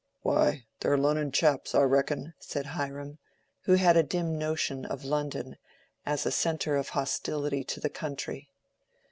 "Why, they're Lunnon chaps, I reckon," said Hiram, who had a dim notion of London as a centre of hostility to the country.